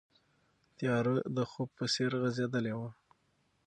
تیاره د خوب په څېر غځېدلې وه.